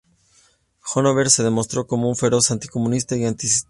Hoover se demostró como un feroz anticomunista y antisemita.